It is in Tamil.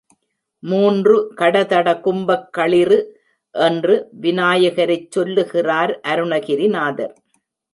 மூன்று கடதட கும்பக் களிறு என்று விநாயகரைச் சொல்லுகிறார் அருணகிரிநாதர்.